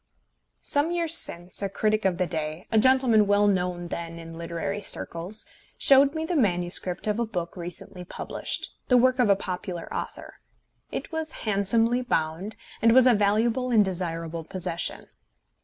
Some years since a critic of the day, a gentleman well known then in literary circles, showed me the manuscript of a book recently published, the work of a popular author. It was handsomely bound, and was a valuable and desirable possession.